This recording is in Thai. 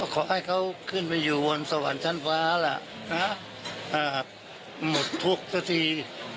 ขอให้เขาขึ้นไปอยู่บนสวรรค์ชั้นฟ้าล่ะหมดทุกข์สักที